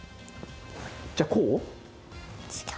じゃあこう？